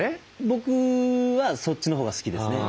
僕はそっちのほうが好きですね。